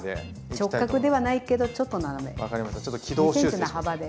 直角ではないけどちょっと斜めで。